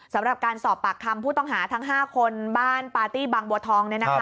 สำหรับการสอบปากคำผู้ต้องหาทั้ง๕คนบ้านปาร์ตี้บางบัวทอง